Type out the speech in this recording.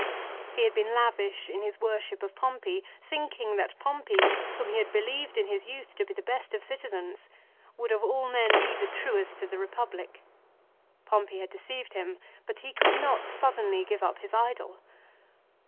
He had been lavish in his worship of Pompey thinking that Pompey, whom he had believed in his youth to be the best of citizens, would of all men be the truest to the Republic. Pompey had deceived him, but he could not suddenly give up his idol.